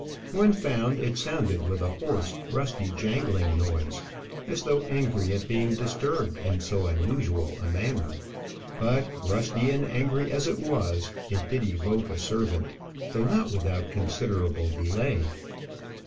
When found, it sounded with a hoarse, rusty, jangling noise, as though angry at being disturbed in so unusual a manner. But, rusty and angry as it was, it did evoke a servant though not without considerable delay.